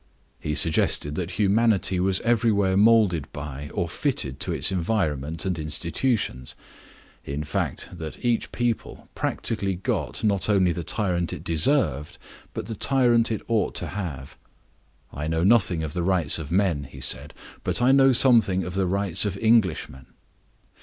He suggested that humanity was everywhere molded by or fitted to its environment and institutions; in fact, that each people practically got, not only the tyrant it deserved, but the tyrant it ought to have. "I know nothing of the rights of men," he said, "but I know something of the rights of Englishmen."